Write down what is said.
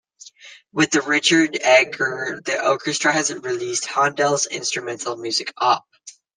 With Richard Egarr, the orchestra has released Handel's instrumental music Opp.